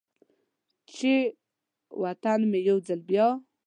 چې و طن مې یو ځل بیا،